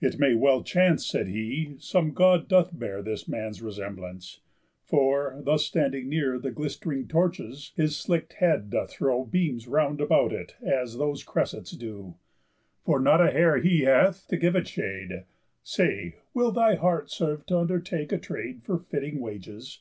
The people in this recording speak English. "It well may chance," said he, "some God doth bear This man's resemblance, for, thus standing near The glist'ring torches, his slick'd head doth throw Beams round about it as those cressets do, For not a hair he hath to give it shade. Say, will thy heart serve t' undertake a trade For fitting wages?